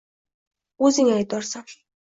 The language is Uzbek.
O`zing aybdorsan